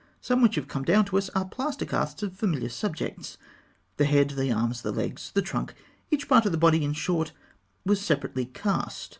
Some which have come down to us are plaster casts of familiar subjects. The head, the arms, the legs, the trunk, each part of the body, in short, was separately cast.